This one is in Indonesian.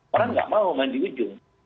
orang nggak mau main di ujung